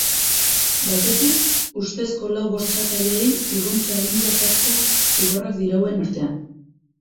Batetik, ustezko lau bortxatzaileei urruntze agindua ezartzea zigorrak dirauen artean.